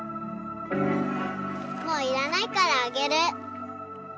もういらないからあげる。